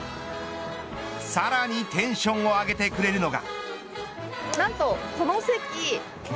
さらにテンションを上げてくれるのが。